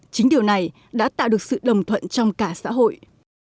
chính điều này đã tạo được sự đồng thuận trong cả xã hội